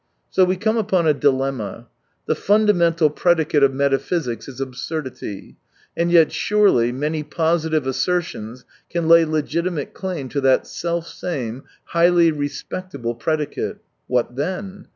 So we come upon a dilemma. The fundamental predicate of metaphysics is absurdity ; and yet surely many positive assertions can lay legitimate claim to that self same, highly respectable predicate. What then